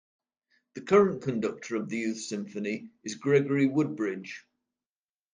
The current conductor of the Youth Symphony is Gregory Woodbridge.